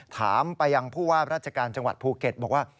ถามไปยังผู้ว่าราชการจังหวัดภูเก็ตบอกว่า